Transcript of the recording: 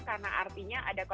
karena artinya ada konflik